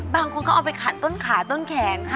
บางคนก็เอาไปขัดต้นขาต้นแขน